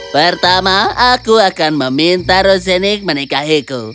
pertama aku akan meminta rosenik menikahiku